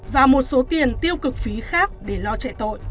và một số tiền tiêu cực phí khác để lo chạy tội